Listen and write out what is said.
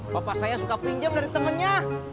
bapak saya suka pinjam dari temennya